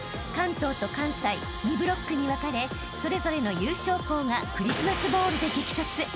［関東と関西２ブロックに分かれそれぞれの優勝校がクリスマスボウルで激突］